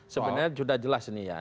sebenarnya sudah jelas ini ya